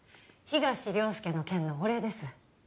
東良介の件のお礼です